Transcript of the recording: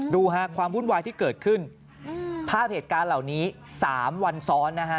ดูฮะความวุ่นวายที่เกิดขึ้นภาพเหตุการณ์เหล่านี้๓วันซ้อนนะฮะ